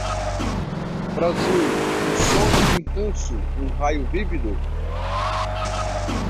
Brasil, um sonho intenso, um raio vívido